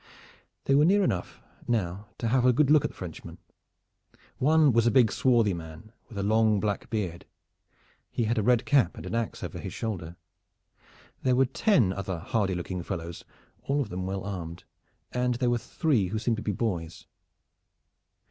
They were near enough now to have a good look at the Frenchmen. One was a big swarthy man with a long black beard. He had a red cap and an ax over his shoulder. There were ten other hardy looking fellows, all of them well armed, and there were three who seemed to be boys.